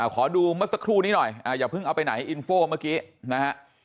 ขอดูเมื่อสักครู่นี้หน่อยอย่าเพิ่งเอาไปไหนอินโฟเมื่อกี้นะฮะ